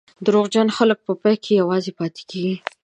دروغجن خلک په پای کې یوازې پاتې کېږي.